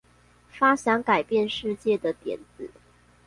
發想改變世界的點子